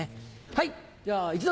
はい。